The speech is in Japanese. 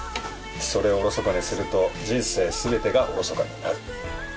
それをおろそかにすると人生全てがおろそかになる。